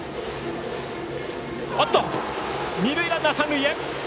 二塁ランナーが三塁へ。